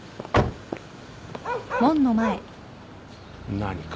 何か？